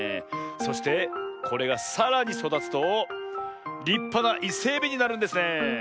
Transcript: そしてこれがさらにそだつとりっぱなイセエビになるんですねえ。